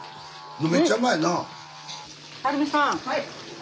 めっちゃうまいなあ？